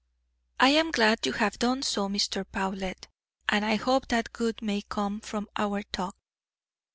"I am glad you have done so, Mr. Powlett, and I hope that good may come from our talk."